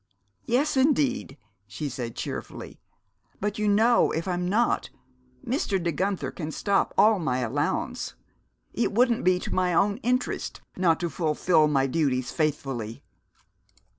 "Yes, indeed," she said cheerfully. "But you know, if I'm not, Mr. De Guenther can stop all my allowance. It wouldn't be to my own interest not to fulfil my duties faithfully."